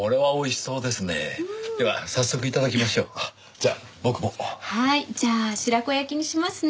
じゃあ白子焼きにしますね。